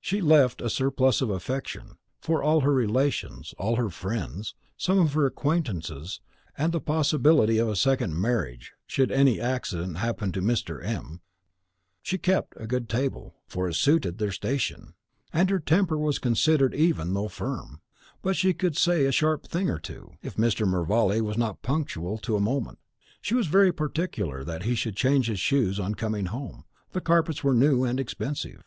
She left a surplus of affection, for all her relations, all her friends, some of her acquaintances, and the possibility of a second marriage, should any accident happen to Mr. M. She kept a good table, for it suited their station; and her temper was considered even, though firm; but she could say a sharp thing or two, if Mr. Mervale was not punctual to a moment. She was very particular that he should change his shoes on coming home, the carpets were new and expensive.